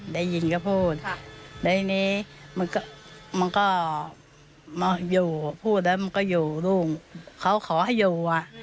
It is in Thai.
ได้ยินเขาพูดดังนี้มันก็อยู่พูดแล้วมันก็อยู่ลูกเขาขอให้อยู่